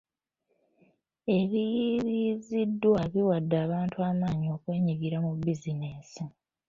Ebiyiiyiziddwa biwadde abantu amaanyi okwenyigira mu bizinesi.